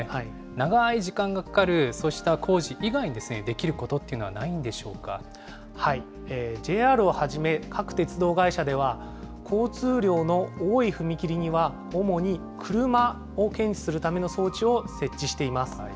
長ーい時間がかかるそうした工事以外にできることっていうのはなＪＲをはじめ、各鉄道会社では、交通量の多い踏切には、主に車を検知するための装置を設置しています。